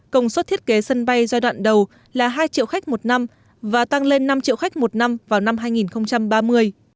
công suất thiết kế sân bay giai đoạn đầu là hai triệu khách một năm và tăng lên năm triệu khách một năm vào năm hai nghìn ba mươi